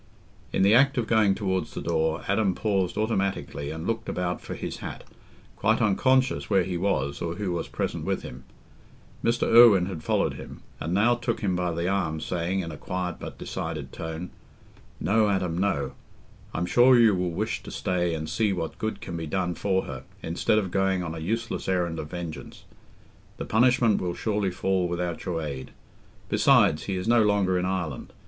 In the act of going towards the door, Adam paused automatically and looked about for his hat, quite unconscious where he was or who was present with him. Mr. Irwine had followed him, and now took him by the arm, saying, in a quiet but decided tone, "No, Adam, no; I'm sure you will wish to stay and see what good can be done for her, instead of going on a useless errand of vengeance. The punishment will surely fall without your aid. Besides, he is no longer in Ireland.